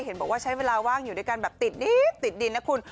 เห็นบอกว่าใช้เวลาว่างอยู่ด้วยกันแบบติดดินนะคุณ